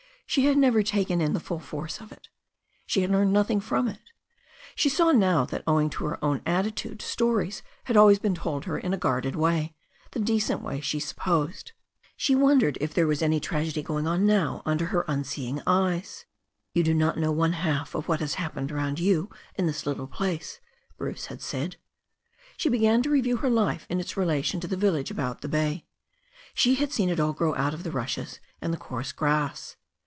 She had never taken in the full force o{ it She had learned nothing from it. She saw now that THE STORY OF A NEW ZEALAND RIVER 347 owing to her own attitude stories had always been told her in a guarded way, the decent way, she had supposed. She wondered if there was any tragedy going on now under her unseeing eyes. "You do not know one half of what has happened round you in this little place," Bruce had said. She began to review her life in its relation to the village about the bay. She had seen it all grow out of the rushes and the coarse grass.